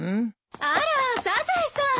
あらサザエさん。